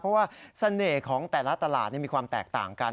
เพราะว่าเสน่ห์ของแต่ละตลาดมีความแตกต่างกัน